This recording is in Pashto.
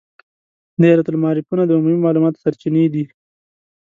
دایرة المعارفونه د عمومي معلوماتو سرچینې دي.